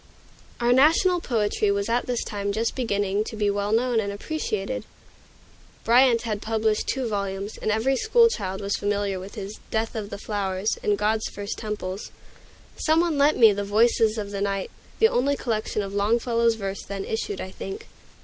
Our national poetry was at this time just beginning to be well known and appreciated. Bryant had published two volumes, and every school child was familiar with his "Death of the Flowers" and "God's First Temples." Some one lent me the "Voices of the Night," the only collection of Longfellow's verse then issued, I think.